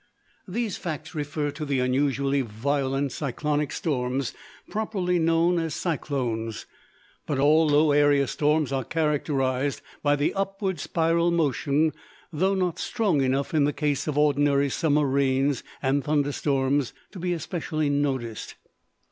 These facts refer to the unusually violent cyclonic storms, properly known as cyclones. But all low area storms are characterized by the upward spiral motion, though not strong enough in the case of ordinary summer rains and thunderstorms to be especially noticed.